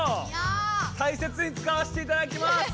たいせつに使わせていただきます！